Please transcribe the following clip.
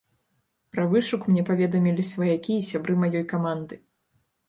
Пра вышук мне паведамілі сваякі і сябры маёй каманды.